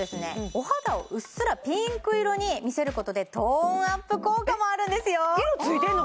お肌をうっすらピンク色に見せることでトーンアップ効果もあるんですよ色ついてんの？